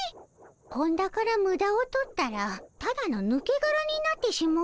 本田からムダを取ったらただの抜けがらになってしもうたのじゃ。